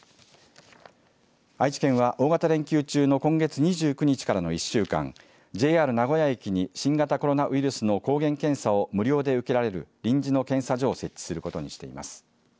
愛知県は大型連休中の今月２９日からの１週間ＪＲ名古屋駅に新型コロナウイルスの抗原検査を無料で受けられる臨時の検査所を設置することにしています。